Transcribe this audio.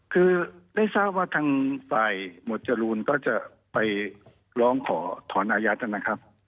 คือได้ทราบว่าทางฝ่ายหมวดจรูนก็จะไปร้องขอถอนอายัดนะครับ